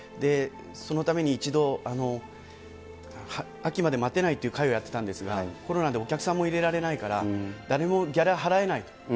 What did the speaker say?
そのために一度、秋まで待てないっていう会をやってたんですが、コロナでお客さんも入れられないから、誰もギャラ払えない。